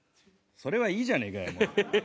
それはいいじゃねえかよ。